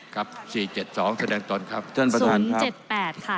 ครับสี่เจ็ดสองแสดงตนครับท่านประธานครับศูนย์เจ็ดแปดค่ะ